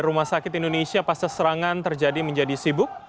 di rumah sakit indonesia pas seserangan terjadi menjadi sibuk